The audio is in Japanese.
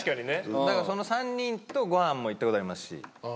その３人とご飯も行ったことありますし。